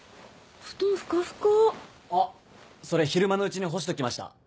あっそれ昼間のうちに干しときました。